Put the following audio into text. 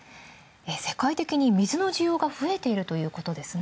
世界的に水の需要が増えているということですね。